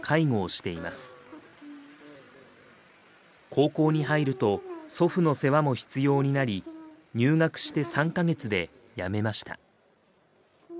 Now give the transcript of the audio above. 高校に入ると祖父の世話も必要になり入学して３か月でやめました。